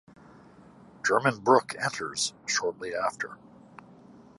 German Brook enters shortly after.